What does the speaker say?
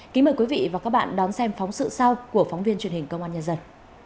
kính mời quý vị và các bạn đón xem phóng sự sau của phóng viên truyền hình công an nhân dân